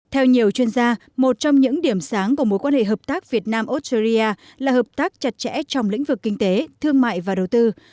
theo nhiều chuyên gia một trong những điểm sáng của mối quan hệ hợp tác việt nam australia là hợp tác chặt chẽ trong lĩnh vực kinh tế thương mại và đầu tư